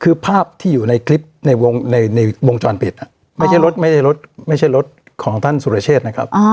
คือภาพที่อยู่ในคลิปในวงในในวงจรปิดไม่ใช่รถไม่ใช่รถไม่ใช่รถของท่านสุรเชษนะครับ